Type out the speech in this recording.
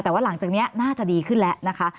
แต่ว่าหลังจากนี้น่าจะดีขึ้นแล้วนะคะ